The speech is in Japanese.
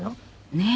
ねえ。